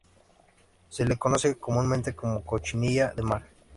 Se le conoce comúnmente como cochinilla de mar.